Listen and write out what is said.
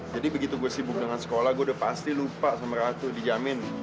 jadi begitu gue sibuk dengan sekolah gue udah pasti lupa sama ratu dijamin